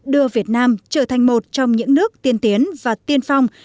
đưa việt nam trở thành một trong những nước tiên tiến và tiên phong